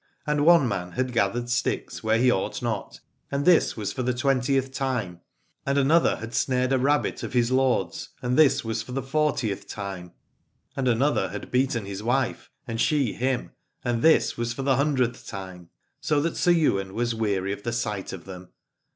And one man had gathered sticks where he ought not, and this was for the twentieth time ; and another had snared a rabbit of his lord's, and this was for the fortieth time ; and another had beaten his wife, and she him, and this was for the hundredth time : so that Sir Ywain was weary of the sight of them.